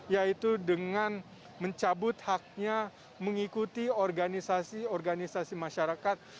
yaitu dengan mencabut haknya mengikuti organisasi organisasi masyarakat